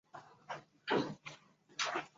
随之而来的是地球的降温冰封。